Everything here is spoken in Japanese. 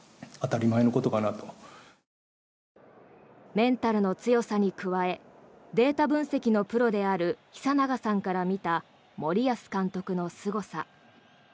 メンタルの強さに加えデータ分析のプロである久永さんから見た森保監督のすごさ。